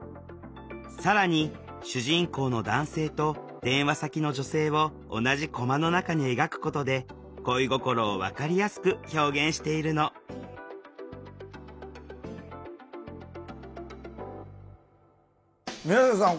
更に主人公の男性と電話先の女性を同じコマの中に描くことで恋心を分かりやすく表現しているの宮下さん